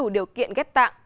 điều kiện ghép tạng